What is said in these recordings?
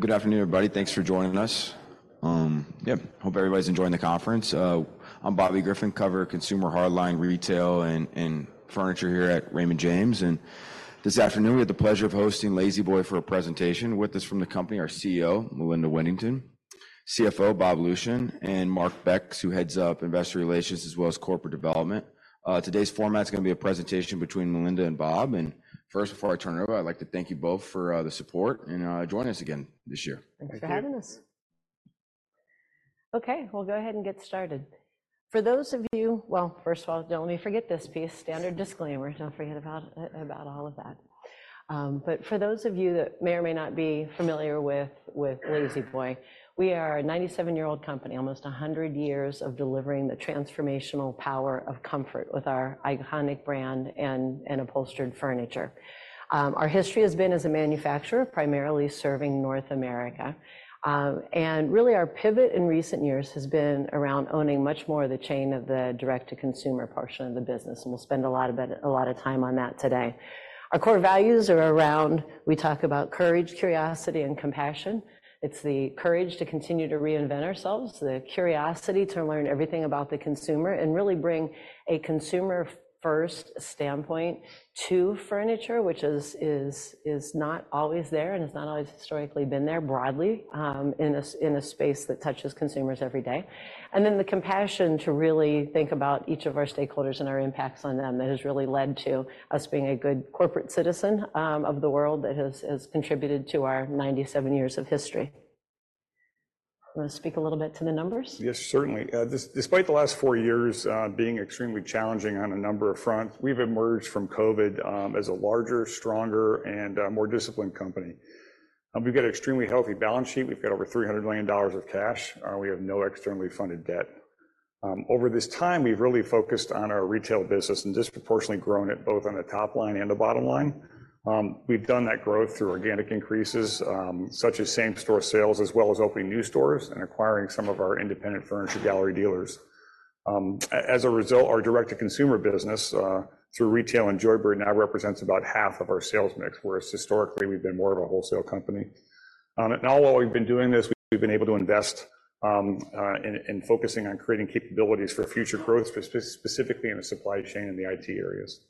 Well, good afternoon, everybody. Thanks for joining us. Yeah, hope everybody's enjoying the conference. I'm Bobby Griffin, cover Consumer Hardlines, retail, and furniture here at Raymond James. This afternoon, we have the pleasure of hosting La-Z-Boy for a presentation. With us from the company, our CEO, Melinda Whittington, CFO, Bob Lucian, and Mark Becks, who heads up Investor Relations as well as corporate development. Today's format's gonna be a presentation between Melinda and Bob. First, before I turn it over, I'd like to thank you both for the support and joining us again this year. Thanks for having us. Okay, we'll go ahead and get started. For those of you, well, first of all, don't let me forget this piece, standard disclaimer. Don't forget about, about all of that. But for those of you that may or may not be familiar with, with La-Z-Boy, we are a 97-year-old company, almost 100 years of delivering the transformational power of comfort with our iconic brand and, and upholstered furniture. Our history has been as a manufacturer, primarily serving North America. And really, our pivot in recent years has been around owning much more of the chain of the direct-to-consumer portion of the business, and we'll spend a lot of—a lot of time on that today. Our core values are around, we talk about courage, curiosity, and compassion. It's the courage to continue to reinvent ourselves, the curiosity to learn everything about the consumer, and really bring a consumer-first standpoint to furniture, which is not always there and has not always historically been there broadly, in a space that touches consumers every day. And then the compassion to really think about each of our stakeholders and our impacts on them that has really led to us being a good corporate citizen, of the world that has contributed to our 97 years of history. Wanna speak a little bit to the numbers? Yes, certainly. Despite the last four years being extremely challenging on a number of fronts, we've emerged from COVID as a larger, stronger, and more disciplined company. We've got an extremely healthy balance sheet. We've got over $300 million of cash. We have no externally funded debt. Over this time, we've really focused on our retail business and disproportionately grown it both on the top line and the bottom line. We've done that growth through organic increases, such as same-store sales as well as opening new stores and acquiring some of our independent Furniture Gallery dealers. As a result, our direct-to-consumer business through retail and Joybird now represents about half of our sales mix, whereas historically, we've been more of a wholesale company. And all while we've been doing this, we've been able to invest in focusing on creating capabilities for future growth, specifically in the supply chain and the IT areas.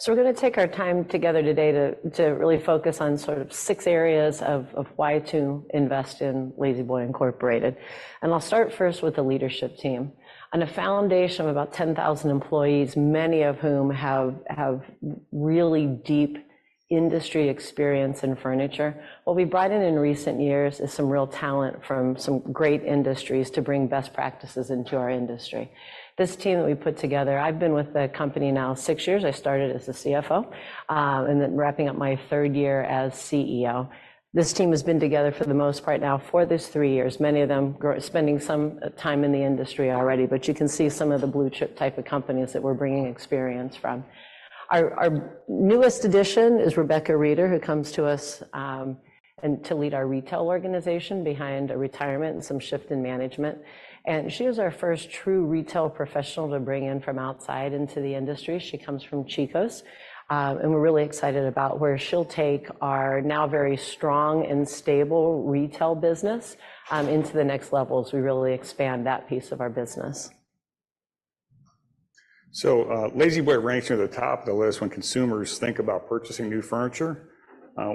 So we're gonna take our time together today to really focus on sort of six areas of why to invest in La-Z-Boy Incorporated. I'll start first with the leadership team. On a foundation of about 10,000 employees, many of whom have really deep industry experience in furniture, what we've brought in in recent years is some real talent from some great industries to bring best practices into our industry. This team that we put together. I've been with the company now six years. I started as the CFO, and then wrapping up my third year as CEO. This team has been together for the most part now for these three years, many of them grow, spending some time in the industry already, but you can see some of the blue-chip type of companies that we're bringing experience from. Our newest addition is Rebecca Reeder, who comes to us to lead our retail organization behind a retirement and some shift in management. She was our first true retail professional to bring in from outside into the industry. She comes from Chico's, and we're really excited about where she'll take our now very strong and stable retail business into the next level as we really expand that piece of our business. So, La-Z-Boy ranks near the top of the list when consumers think about purchasing new furniture.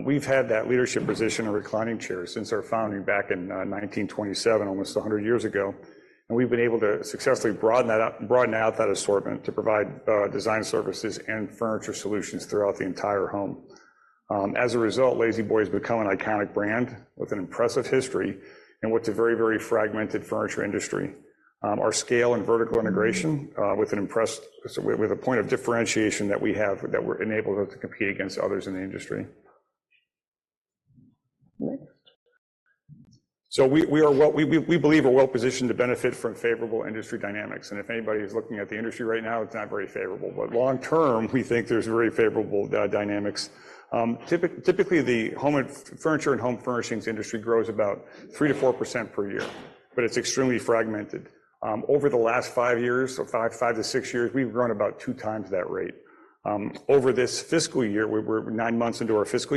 We've had that leadership position in reclining chairs since our founding back in 1927, almost 100 years ago. We've been able to successfully broaden out that assortment to provide design services and furniture solutions throughout the entire home. As a result, La-Z-Boy has become an iconic brand with an impressive history in what's a very, very fragmented furniture industry. Our scale and vertical integration, with a point of differentiation that we have that we're enabled us to compete against others in the industry. Next. So we are well—we believe we're well-positioned to benefit from favorable industry dynamics. And if anybody's looking at the industry right now, it's not very favorable. But long term, we think there's very favorable dynamics. Typically, the home and furniture and home furnishings industry grows about 3%-4% per year, but it's extremely fragmented. Over the last five years—so five to six years—we've grown about two times that rate. Over this fiscal year—we're nine months into our fiscal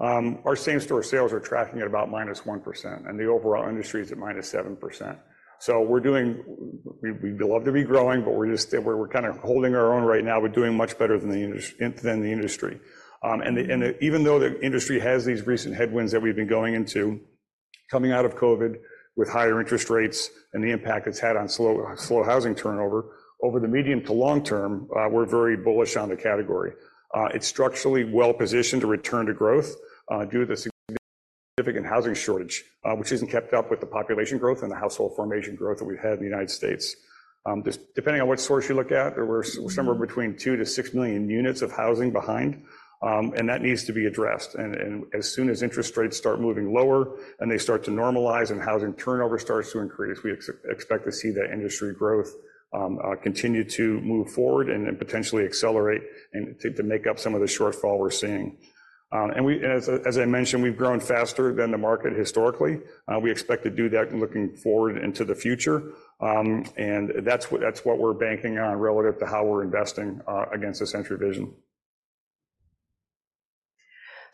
year—our same-store sales are tracking at about -1%, and the overall industry is at -7%. So we're doing—we'd love to be growing, but we're just—we're kind of holding our own right now. We're doing much better than the industry—than the industry. Even though the industry has these recent headwinds that we've been going into, coming out of COVID with higher interest rates and the impact it's had on slow housing turnover, over the medium to long term, we're very bullish on the category. It's structurally well-positioned to return to growth, due to the significant housing shortage, which isn't kept up with the population growth and the household formation growth that we've had in the United States. Just depending on what source you look at, we're somewhere between two to six million units of housing behind, and that needs to be addressed. As soon as interest rates start moving lower and they start to normalize and housing turnover starts to increase, we expect to see that industry growth continue to move forward and potentially accelerate and to make up some of the shortfall we're seeing. And as I mentioned, we've grown faster than the market historically. We expect to do that looking forward into the future. And that's what we're banking on relative to how we're investing against the Century Vision.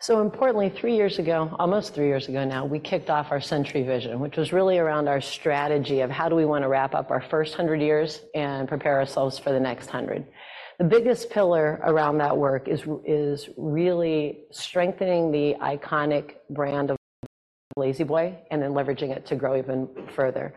So importantly, three years ago, almost three years ago now, we kicked off our Century Vision, which was really around our strategy of how do we wanna wrap up our first 100 years and prepare ourselves for the next 100. The biggest pillar around that work is really strengthening the iconic brand of La-Z-Boy and then leveraging it to grow even further.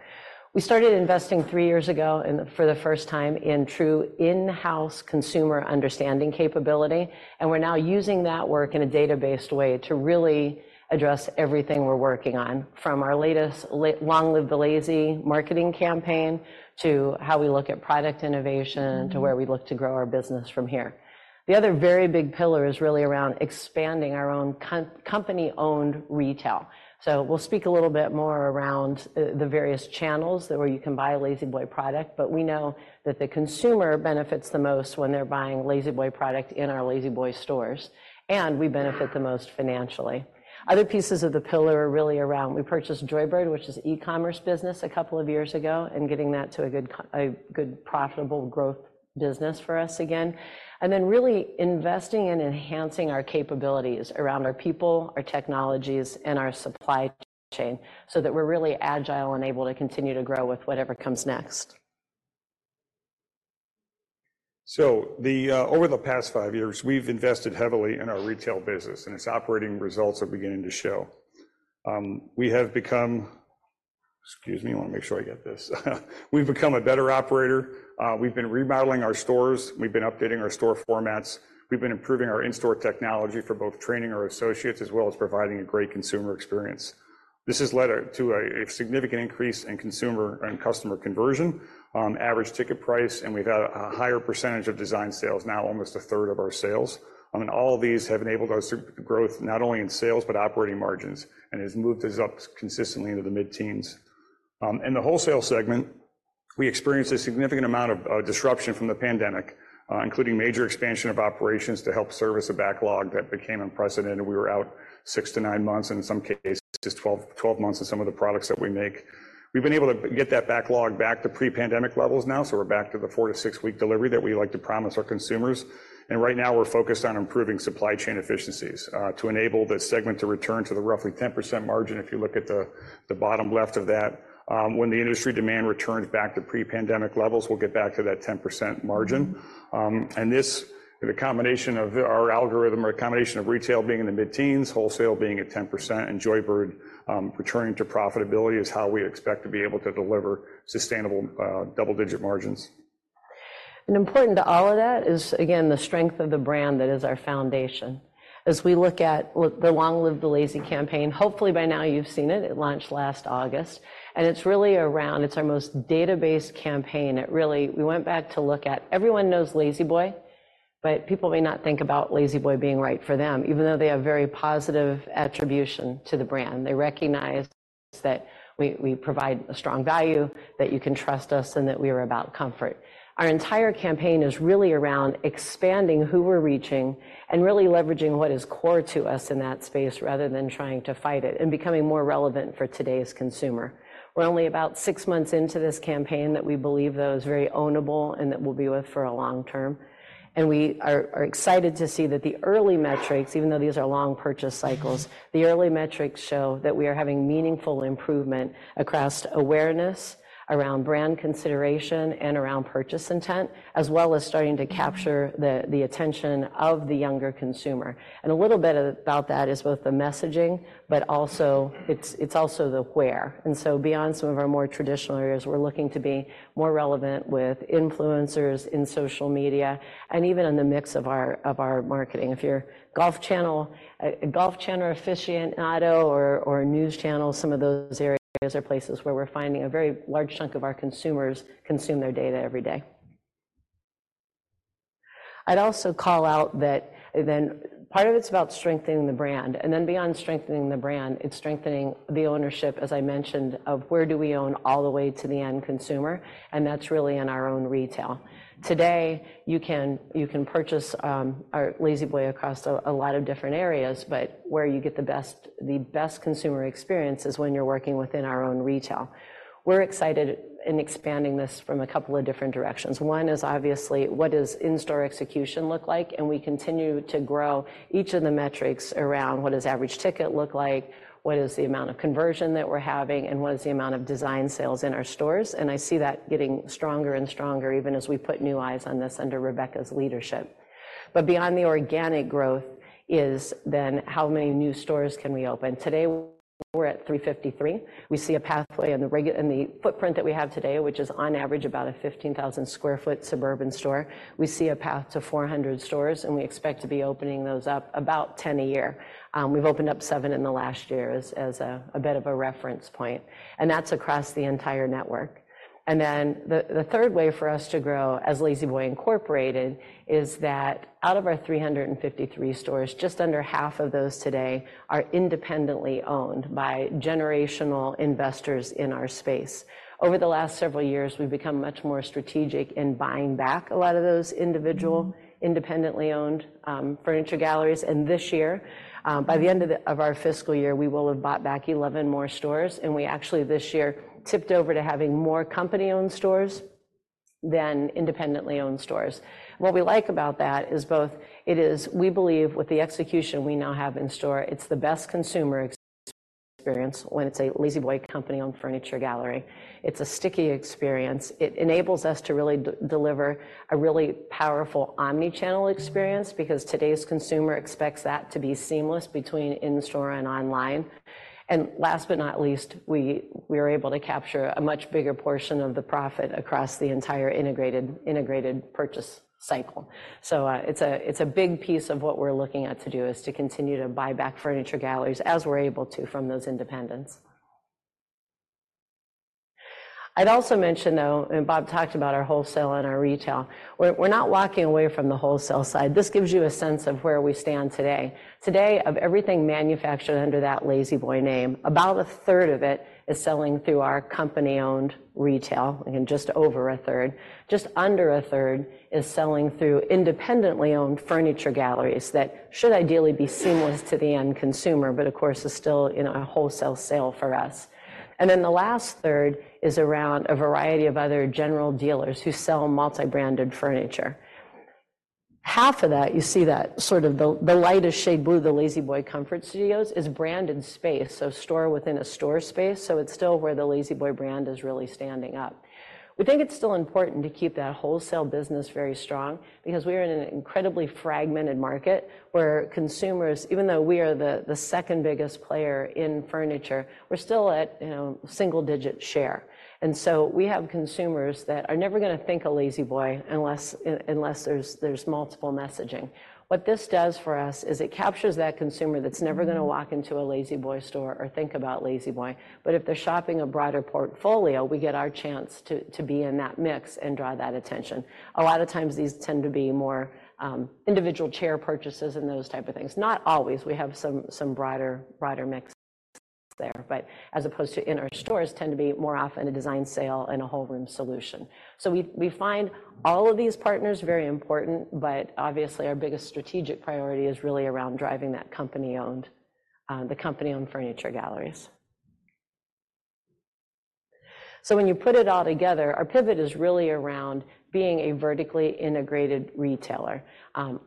We started investing three years ago for the first time in true in-house consumer understanding capability, and we're now using that work in a database way to really address everything we're working on, from our latest Long Live La-Z-Boy marketing campaign to how we look at product innovation to where we look to grow our business from here. The other very big pillar is really around expanding our own company-owned retail. So we'll speak a little bit more around the various channels that where you can buy La-Z-Boy product, but we know that the consumer benefits the most when they're buying La-Z-Boy product in our La-Z-Boy stores, and we benefit the most financially. Other pieces of the pillar are really around, we purchased Joybird, which is an e-commerce business, a couple of years ago, and getting that to a good profitable growth business for us again. And then really investing in enhancing our capabilities around our people, our technologies, and our supply chain so that we're really agile and able to continue to grow with whatever comes next. So, over the past five years, we've invested heavily in our retail business, and its operating results are beginning to show. We have become—excuse me, I wanna make sure I get this. We've become a better operator. We've been remodeling our stores. We've been updating our store formats. We've been improving our in-store technology for both training our associates as well as providing a great consumer experience. This has led to a significant increase in consumer and customer conversion, average ticket price, and we've had a higher percentage of design sales, now almost a third of our sales. And all of these have enabled us to growth not only in sales but operating margins and has moved us up consistently into the mid-teens. In the wholesale segment, we experienced a significant amount of disruption from the pandemic, including major expansion of operations to help service a backlog that became unprecedented. We were out six to nine months, and in some cases, 12-12 months on some of the products that we make. We've been able to get that backlog back to pre-pandemic levels now, so we're back to the four to six-week delivery that we like to promise our consumers. And right now, we're focused on improving supply chain efficiencies, to enable the segment to return to the roughly 10% margin. If you look at the bottom left of that, when the industry demand returns back to pre-pandemic levels, we'll get back to that 10% margin. This, the combination of our algorithm or a combination of retail being in the mid-teens, wholesale being at 10%, and Joybird, returning to profitability is how we expect to be able to deliver sustainable, double-digit margins. Important to all of that is, again, the strength of the brand that is our foundation. As we look at the long-lived La-Z-Boy campaign, hopefully by now you've seen it. It launched last August, and it's really around, it's our most data-based campaign. It really - we went back to look at everyone knows La-Z-Boy, but people may not think about La-Z-Boy being right for them, even though they have a very positive attribution to the brand. They recognize that we, we provide a strong value, that you can trust us, and that we are about comfort. Our entire campaign is really around expanding who we're reaching and really leveraging what is core to us in that space rather than trying to fight it and becoming more relevant for today's consumer. We're only about six months into this campaign that we believe that it was very ownable and that we'll be with for a long term. And we are, are excited to see that the early metrics (even though these are long purchase cycles) the early metrics show that we are having meaningful improvement across awareness around brand consideration and around purchase intent, as well as starting to capture the, the attention of the younger consumer. And a little bit about that is both the messaging but also it's, it's also the where. And so beyond some of our more traditional areas, we're looking to be more relevant with influencers in social media and even in the mix of our of our marketing. If you're a Golf Channel aficionado or news channel, some of those areas are places where we're finding a very large chunk of our consumers consume their data every day. I'd also call out that then part of it's about strengthening the brand. And then beyond strengthening the brand, it's strengthening the ownership, as I mentioned, of where do we own all the way to the end consumer. And that's really in our own retail. Today, you can purchase our La-Z-Boy across a lot of different areas, but where you get the best consumer experience is when you're working within our own retail. We're excited in expanding this from a couple of different directions. One is obviously what does in-store execution look like? And we continue to grow each of the metrics around what does average ticket look like, what is the amount of conversion that we're having, and what is the amount of design sales in our stores? And I see that getting stronger and stronger even as we put new eyes on this under Rebecca's leadership. But beyond the organic growth is then how many new stores can we open? Today, we're at 353. We see a pathway in the regular footprint that we have today, which is on average about a 15,000 sq ft suburban store. We see a path to 400 stores, and we expect to be opening those up about 10 a year. We've opened up seven in the last year as a bit of a reference point, and that's across the entire network. And then the third way for us to grow as La-Z-Boy Incorporated is that out of our 353 stores, just under half of those today are independently owned by generational investors in our space. Over the last several years, we've become much more strategic in buying back a lot of those individual independently owned Furniture Galleries. And this year, by the end of our fiscal year, we will have bought back 11 more stores. And we actually this year tipped over to having more company-owned stores than independently owned stores. What we like about that is both it is we believe with the execution we now have in store, it's the best consumer experience when it's a La-Z-Boy company-owned Furniture Gallery. It's a sticky experience. It enables us to really deliver a really powerful omnichannel experience because today's consumer expects that to be seamless between in-store and online. And last but not least, we are able to capture a much bigger portion of the profit across the entire integrated purchase cycle. So, it's a big piece of what we're looking at to do is to continue to buy back Furniture Galleries as we're able to from those independents. I'd also mention, though, and Bob talked about our wholesale and our retail. We're not walking away from the wholesale side. This gives you a sense of where we stand today. Today, of everything manufactured under that La-Z-Boy name, about a third of it is selling through our company-owned retail. Again, just over a third. Just under a third is selling through independently owned Furniture Galleries that should ideally be seamless to the end consumer but, of course, is still, you know, a wholesale sale for us. And then the last third is around a variety of other general dealers who sell multi-branded furniture. Half of that you see that sort of the lightest shade blue, the La-Z-Boy Comfort Studios, is branded space, so store within a store space. So it's still where the La-Z-Boy brand is really standing up. We think it's still important to keep that wholesale business very strong because we are in an incredibly fragmented market where consumers even though we are the second biggest player in furniture, we're still at, you know, single-digit share. And so we have consumers that are never gonna think of La-Z-Boy unless there's multiple messaging. What this does for us is it captures that consumer that's never gonna walk into a La-Z-Boy store or think about La-Z-Boy. But if they're shopping a broader portfolio, we get our chance to, to be in that mix and draw that attention. A lot of times, these tend to be more, individual chair purchases and those type of things. Not always. We have some, some broader, broader mix there, but as opposed to in our stores, tend to be more often a design sale and a whole-room solution. So we, we find all of these partners very important, but obviously, our biggest strategic priority is really around driving that company-owned, the company-owned Furniture Galleries. So when you put it all together, our pivot is really around being a vertically integrated retailer.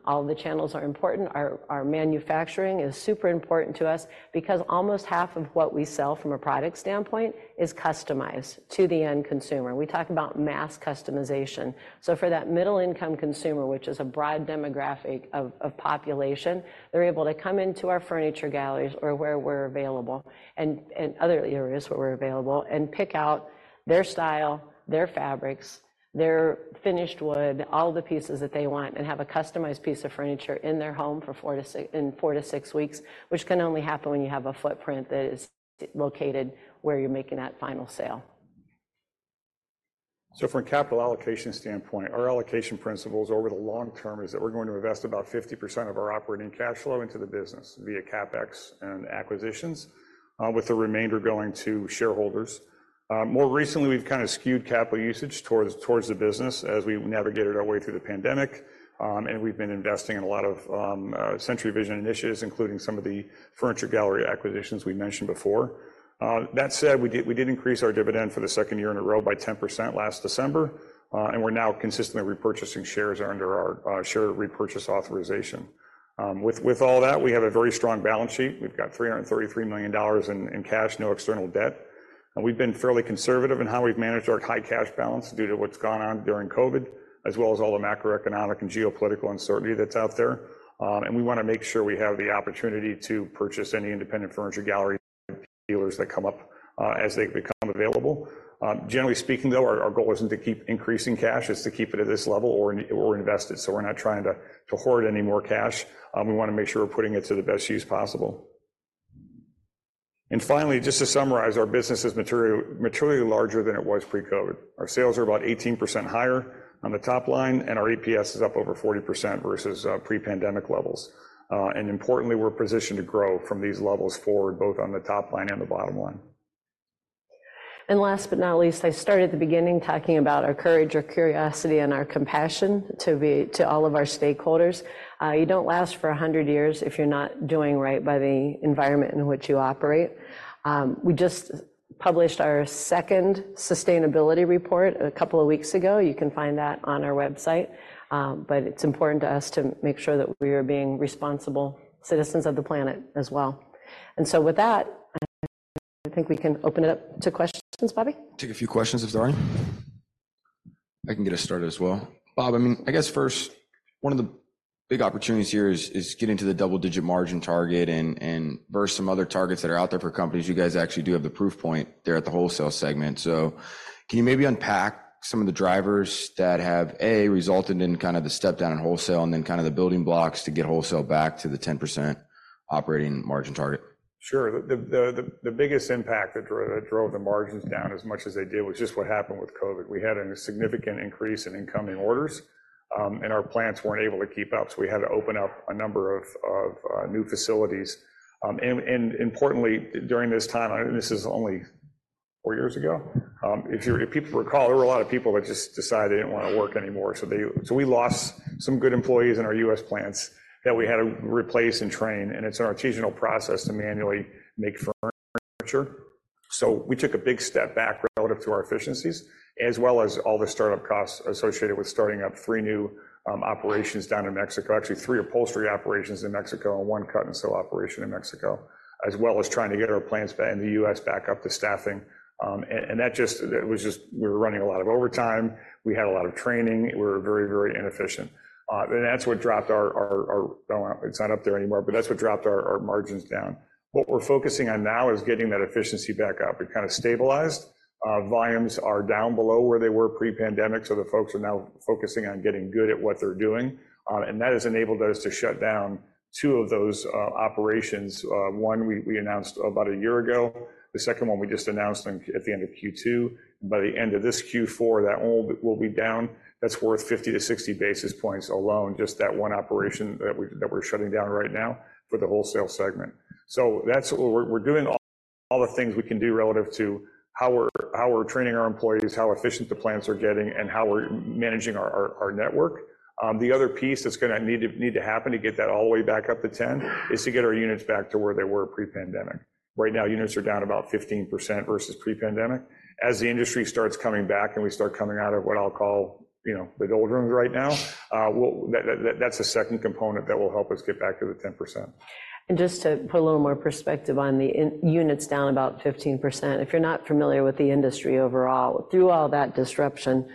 All the channels are important. Our manufacturing is super important to us because almost half of what we sell from a product standpoint is customized to the end consumer. We talk about mass customization. So for that middle-income consumer, which is a broad demographic of population, they're able to come into our Furniture Galleries or where we're available and other areas where we're available and pick out their style, their fabrics, their finished wood, all the pieces that they want, and have a customized piece of furniture in their home for four to six weeks, which can only happen when you have a footprint that is located where you're making that final sale. So from a capital allocation standpoint, our allocation principles over the long term is that we're going to invest about 50% of our operating cash flow into the business via CapEx and acquisitions, with the remainder going to shareholders. More recently, we've kind of skewed capital usage towards the business as we navigated our way through the pandemic, and we've been investing in a lot of Century Vision initiatives, including some of the Furniture Gallery acquisitions we mentioned before. That said, we did increase our dividend for the second year in a row by 10% last December, and we're now consistently repurchasing shares under our share repurchase authorization. With all that, we have a very strong balance sheet. We've got $333 million in cash, no external debt. And we've been fairly conservative in how we've managed our high cash balance due to what's gone on during COVID as well as all the macroeconomic and geopolitical uncertainty that's out there. And we wanna make sure we have the opportunity to purchase any independent Furniture Gallery dealers that come up, as they become available. Generally speaking, though, our, our goal isn't to keep increasing cash. It's to keep it at this level or in or invest it. So we're not trying to, to hoard any more cash. We wanna make sure we're putting it to the best use possible. And finally, just to summarize, our business is materially larger than it was pre-COVID. Our sales are about 18% higher on the top line, and our EPS is up over 40% versus pre-pandemic levels. and importantly, we're positioned to grow from these levels forward both on the top line and the bottom line. Last but not least, I started the beginning talking about our courage, our curiosity, and our compassion to be to all of our stakeholders. You don't last for 100 years if you're not doing right by the environment in which you operate. We just published our second sustainability report a couple of weeks ago. You can find that on our website, but it's important to us to make sure that we are being responsible citizens of the planet as well. And so with that, I think we can open it up to questions. Bobby? Take a few questions if there aren't. I can get us started as well. Bob, I mean, I guess first, one of the big opportunities here is getting to the double-digit margin target and versus some other targets that are out there for companies. You guys actually do have the proof point there at the wholesale segment. So can you maybe unpack some of the drivers that have resulted in kind of the step down in wholesale and then kind of the building blocks to get wholesale back to the 10% operating margin target? Sure. The biggest impact that drove the margins down as much as they did was just what happened with COVID. We had a significant increase in incoming orders, and our plants weren't able to keep up. So we had to open up a number of new facilities, and importantly, during this time, this is only four years ago. If people recall, there were a lot of people that just decided they didn't wanna work anymore. So we lost some good employees in our U.S. plants that we had to replace and train. And it's an artisanal process to manually make furniture. So we took a big step back relative to our efficiencies as well as all the startup costs associated with starting up three new operations down in Mexico, actually, three upholstery operations in Mexico and one cut-and-sew operation in Mexico, as well as trying to get our plants back in the U.S. back up to staffing. And that was just we were running a lot of overtime. We had a lot of training. We were very, very inefficient. And that's what dropped our, our, oh, it's not up there anymore, but that's what dropped our margins down. What we're focusing on now is getting that efficiency back up. We've kind of stabilized. Volumes are down below where they were pre-pandemic. So the folks are now focusing on getting good at what they're doing. And that has enabled us to shut down two of those operations. One, we announced about a year ago. The second one, we just announced in at the end of Q2. And by the end of this Q4, that all will be down. That's worth 50-60 basis points alone, just that one operation that we're shutting down right now for the wholesale segment. So that's what we're doing all the things we can do relative to how we're training our employees, how efficient the plants are getting, and how we're managing our network. The other piece that's gonna need to happen to get that all the way back up to 10 is to get our units back to where they were pre-pandemic. Right now, units are down about 15% versus pre-pandemic. As the industry starts coming back and we start coming out of what I'll call, you know, the doldrums right now, we'll, that's a second component that will help us get back to the 10%. Just to put a little more perspective on the industry, units down about 15%, if you're not familiar with the industry overall, through all that disruption,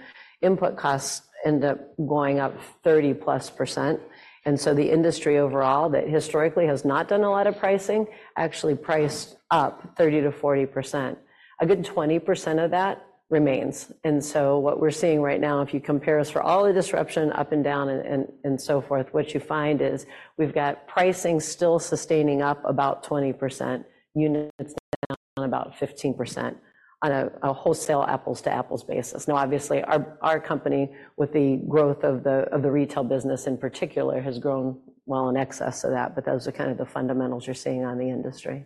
input costs end up going up 30%+. The industry overall that historically has not done a lot of pricing actually priced up 30%-40%. A good 20% of that remains. So what we're seeing right now, if you compare us for all the disruption up and down and so forth, what you find is we've got pricing still sustaining up about 20%, units down about 15% on a wholesale apples-to-apples basis. Now, obviously, our company with the growth of the retail business in particular has grown well in excess of that, but those are kind of the fundamentals you're seeing on the industry.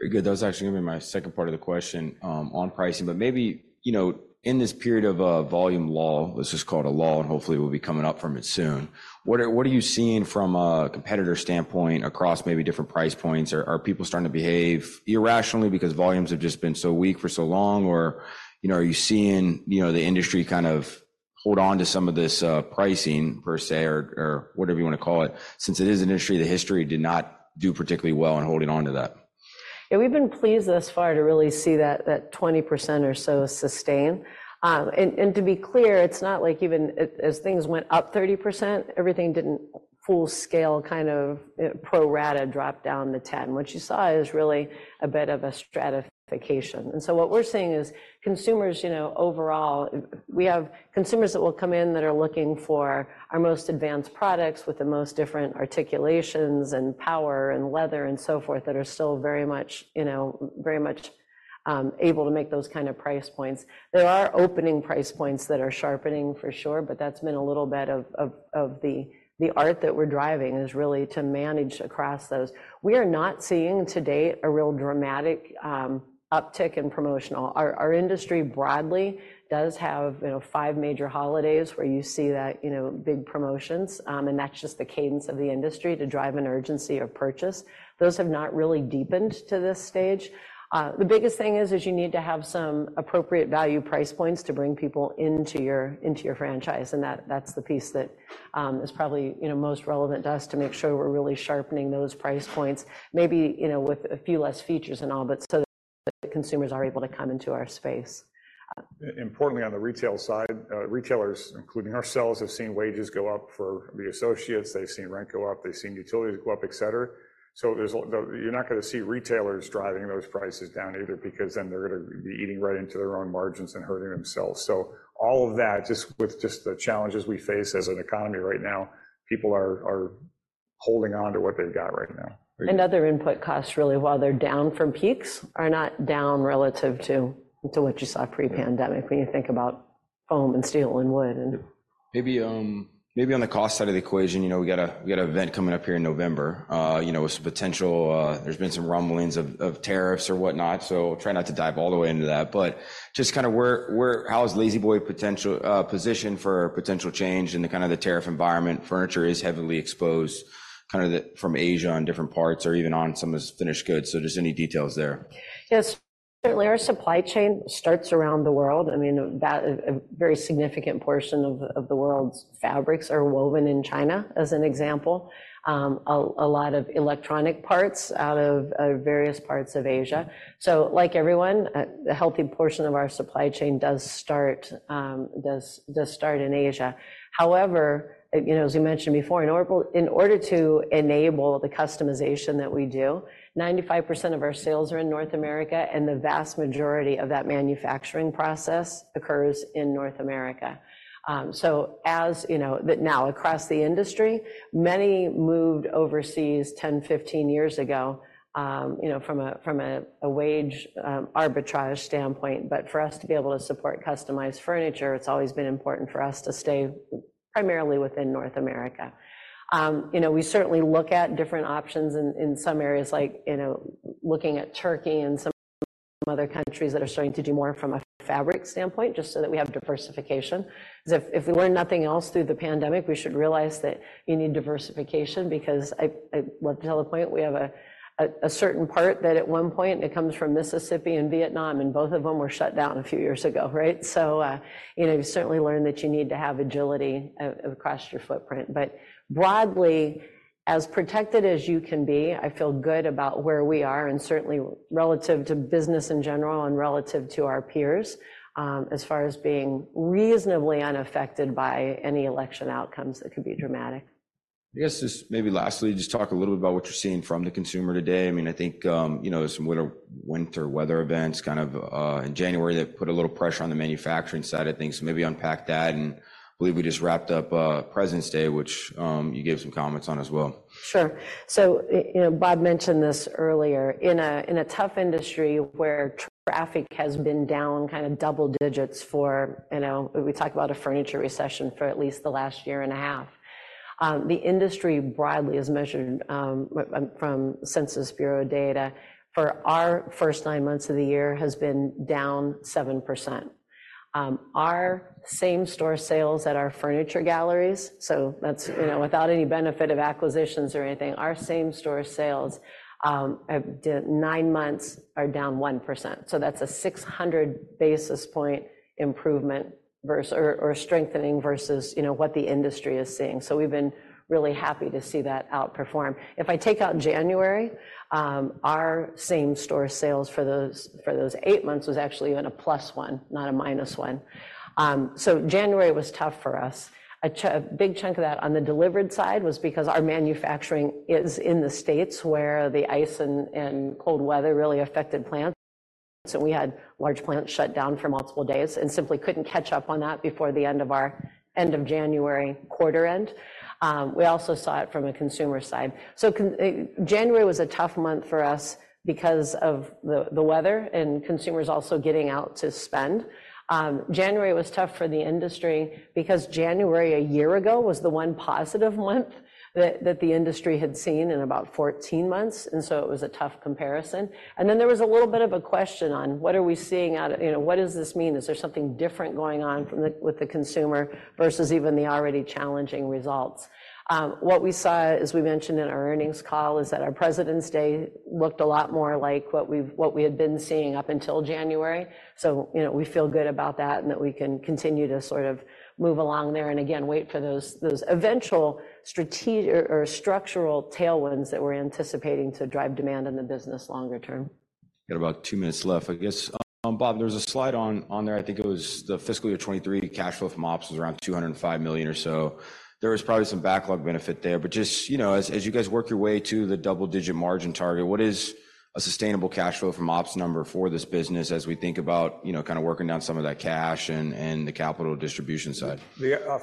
Very good. That was actually gonna be my second part of the question, on pricing. But maybe, you know, in this period of volume low, this is called a low, and hopefully, we'll be coming up from it soon. What are, what are you seeing from a competitor standpoint across maybe different price points? Are, are people starting to behave irrationally because volumes have just been so weak for so long? Or, you know, are you seeing, you know, the industry kind of hold on to some of this pricing per se or, or whatever you wanna call it? Since it is an industry, the history did not do particularly well in holding on to that. Yeah. We've been pleased thus far to really see that 20% or so sustain. And to be clear, it's not like even as things went up 30%, everything didn't full-scale kind of pro rata drop down to 10. What you saw is really a bit of a stratification. And so what we're seeing is consumers, you know, overall, we have consumers that will come in that are looking for our most advanced products with the most different articulations and power and leather and so forth that are still very much, you know, very much able to make those kind of price points. There are opening price points that are sharpening for sure, but that's been a little bit of the art that we're driving is really to manage across those. We are not seeing to date a real dramatic uptick in promotional. Our industry broadly does have, you know, five major holidays where you see that, you know, big promotions, and that's just the cadence of the industry to drive an urgency of purchase. Those have not really deepened to this stage. The biggest thing is you need to have some appropriate value price points to bring people into your franchise. And that's the piece that is probably, you know, most relevant to us to make sure we're really sharpening those price points maybe, you know, with a few less features and all, but so that consumers are able to come into our space. Importantly, on the retail side, retailers, including ourselves, have seen wages go up for the associates. They've seen rent go up. They've seen utilities go up, etc. So, there's the—you're not gonna see retailers driving those prices down either because then they're gonna be eating right into their own margins and hurting themselves. So all of that just with the challenges we face as an economy right now, people are holding on to what they've got right now. Other input costs, really, while they're down from peaks, are not down relative to what you saw pre-pandemic when you think about foam and steel and wood and. Maybe, maybe on the cost side of the equation, you know, we got an event coming up here in November, you know, with some potential. There's been some rumblings of tariffs or whatnot. So I'll try not to dive all the way into that, but just kind of where how is La-Z-Boy positioned for potential change in the kind of the tariff environment? Furniture is heavily exposed kind of from Asia in different parts or even on some of the finished goods. So just any details there. Yes. Certainly, our supply chain starts around the world. I mean, a very significant portion of the world's fabrics are woven in China, as an example. A lot of electronic parts out of various parts of Asia. So like everyone, the healthy portion of our supply chain does start in Asia. However, you know, as you mentioned before, in order to enable the customization that we do, 95% of our sales are in North America, and the vast majority of that manufacturing process occurs in North America. So as you know, now across the industry, many moved overseas 10, 15 years ago, you know, from a wage arbitrage standpoint. But for us to be able to support customized furniture, it's always been important for us to stay primarily within North America. You know, we certainly look at different options in some areas like, you know, looking at Turkey and some other countries that are starting to do more from a fabric standpoint just so that we have diversification. Because if we learned nothing else through the pandemic, we should realize that you need diversification because I love to tell the point. We have a certain part that at one point, it comes from Mississippi and Vietnam, and both of them were shut down a few years ago, right? So, you know, you certainly learn that you need to have agility across your footprint. But broadly, as protected as you can be, I feel good about where we are and certainly relative to business in general and relative to our peers, as far as being reasonably unaffected by any election outcomes that could be dramatic. I guess just maybe lastly, just talk a little bit about what you're seeing from the consumer today. I mean, I think, you know, some winter weather events kind of in January that put a little pressure on the manufacturing side of things. So maybe unpack that. And I believe we just wrapped up President's Day, which you gave some comments on as well. Sure. So, you know, Bob mentioned this earlier. In a tough industry where traffic has been down kind of double digits for, you know, we talk about a furniture recession for at least the last year and a half, the industry broadly, as measured from Census Bureau data, for our first nine months of the year has been down 7%. Our same-store sales at our Furniture Galleries so that's, you know, without any benefit of acquisitions or anything. Our same-store sales, have done nine months are down 1%. So that's a 600-basis point improvement versus or strengthening versus, you know, what the industry is seeing. So we've been really happy to see that outperform. If I take out January, our same-store sales for those eight months was actually even a +1%, not a -1%. So January was tough for us. A big chunk of that on the delivered side was because our manufacturing is in the states where the ice and, and cold weather really affected plants. We had large plants shut down for multiple days and simply couldn't catch up on that before the end of our end of January quarter end. We also saw it from a consumer side. So, in January was a tough month for us because of the, the weather and consumers also getting out to spend. January was tough for the industry because January a year ago was the one positive month that, that the industry had seen in about 14 months. And so it was a tough comparison. And then there was a little bit of a question on, what are we seeing out of you know, what does this mean? Is there something different going on from the with the consumer versus even the already challenging results? What we saw, as we mentioned in our earnings call, is that our President's Day looked a lot more like what we had been seeing up until January. So, you know, we feel good about that and that we can continue to sort of move along there and, again, wait for those eventual strategic or structural tailwinds that we're anticipating to drive demand in the business longer term. Got about two minutes left, I guess. Bob, there's a slide on, on there. I think it was the fiscal year 2023 cash flow from ops was around $205 million or so. There was probably some backlog benefit there. But just, you know, as, as you guys work your way to the double-digit margin target, what is a sustainable cash flow from ops number for this business as we think about, you know, kind of working down some of that cash and, and the capital distribution side?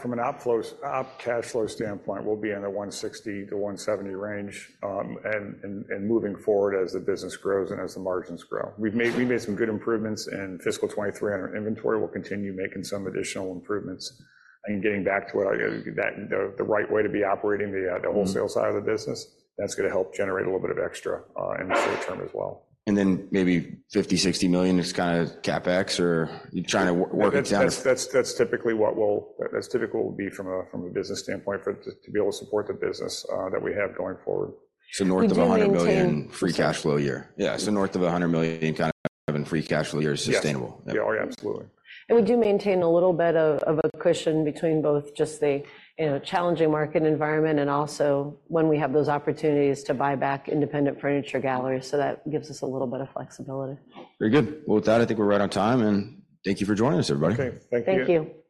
From an operating cash flow standpoint, we'll be in the $160-$170 range, and moving forward as the business grows and as the margins grow. We've made some good improvements in fiscal year 2023 on our inventory. We'll continue making some additional improvements. I mean, getting back to what the right way to be operating the wholesale side of the business, that's gonna help generate a little bit of extra in the short term as well. And then maybe $50 million-$60 million is kind of CapEx, or you're trying to work it down. That's typically what will be from a business standpoint to be able to support the business that we have going forward. So, north of $100 million free cash flow year. Yeah. So north of $100 million kind of having free cash flow year is sustainable. Yeah. Yeah. Oh, yeah. Absolutely. We do maintain a little bit of a cushion between both just the, you know, challenging market environment and also when we have those opportunities to buy back independent Furniture Galleries. So that gives us a little bit of flexibility. Very good. Well, with that, I think we're right on time. Thank you for joining us, everybody. Okay. Thank you. Thank you.